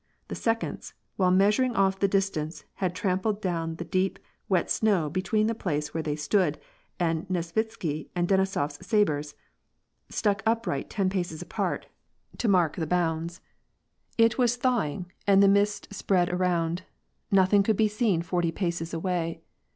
The seconds, while meaa* uring off the distance, had trampled down the deep, wet snow between the place where they stood and Nesvitsky's and Denisof's sabres, stuck upright ten paces apart, to mark the WAH AND PkACe. 25 bounds. It was thawing, and the mist spread around ; noth ing could be seen forty paces away.